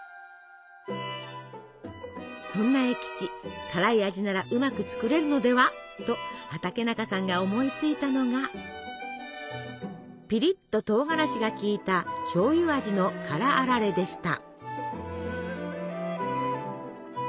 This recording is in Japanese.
そんな栄吉辛い味ならうまく作れるのではと畠中さんが思いついたのがピリッととうがらしが効いたしょうゆ味の「辛あられ」でした。